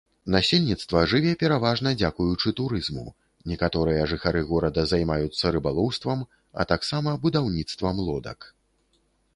Насельніцтва жыве пераважна дзякуючы турызму, некаторыя жыхары горада займаюцца рыбалоўствам, а таксама будаўніцтвам лодак.